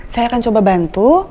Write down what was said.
saya akan coba bantu